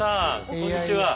こんにちは。